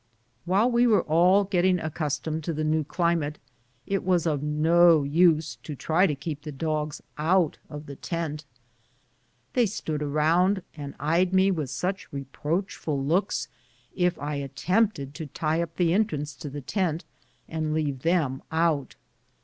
While we were all getting accustomed to the new climate, it was of no use to try to keep the dogs out of my tent. They stood around, and eyed me with such reproachful looks if I attempted to tie up the entrance to the tent and leave them out.